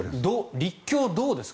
立教、どうですか。